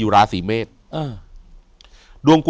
อยู่ที่แม่ศรีวิรัยิลครับ